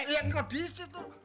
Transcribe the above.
iya ngak diisi tuh